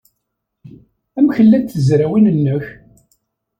Amek llant tezrawin-nnek?